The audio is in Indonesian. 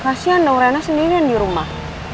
kasihan dong rena sendirian di rumah